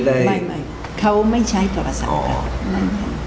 ไม่เขาไม่ใช้โทรศัพท์กัน